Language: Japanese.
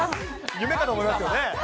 夢かと思いますよね。